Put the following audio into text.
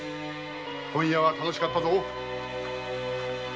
今夜は楽しかったぞ。